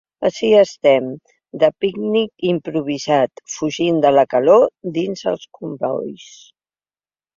Ací estem, de pícnic improvisat, fugint de la calor dins els combois.